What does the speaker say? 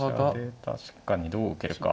確かにどう受けるか。